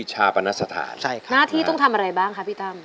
หน้าที่ต้องทำอะไรบ้างครับพี่ตั้ม